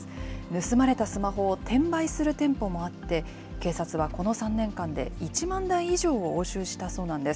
盗まれたスマホを転売する店舗もあって、警察はこの３年間で１万台以上を押収したそうなんです。